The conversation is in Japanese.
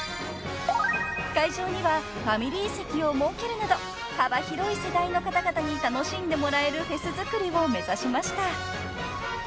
［会場にはファミリー席を設けるなど幅広い世代の方々に楽しんでもらえるフェスづくりを目指しました］